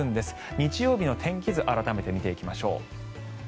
日曜日の天気図を改めて見ていきましょう。